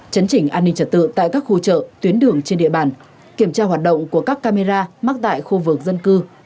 chấn chỉnh an ninh trật tự tại các khu chợ tuyến đường trên địa bàn kiểm tra hoạt động của các camera mắc tại khu vực dân cư